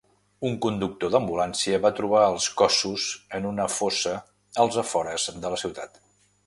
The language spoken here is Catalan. Un conductor d'ambulància va trobar els cossos en una fossa als afores de la ciutat.